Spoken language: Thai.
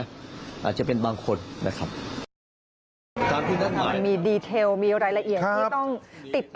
อาจจะเป็นบางคนนะครับ